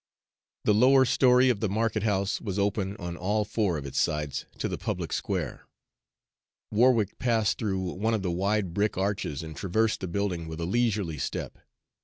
The lower story of the market house was open on all four of its sides to the public square. Warwick passed through one of the wide brick arches and traversed the building with a leisurely step.